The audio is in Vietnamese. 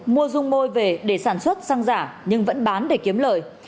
mua dung môi về để sản xuất xăng giả nhưng vẫn bán để kiếm lời